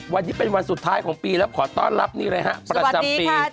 วันนี้เป็นวันสุดท้ายของปีแล้วขอต้อนรับนี่เลยฮะประจำปี